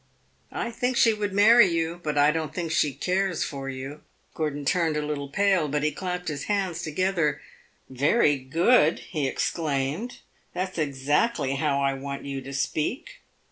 "I think she would marry you but I don't think she cares for you." Gordon turned a little pale, but he clapped his hands together. "Very good," he exclaimed. "That 's exactly how I want you to speak."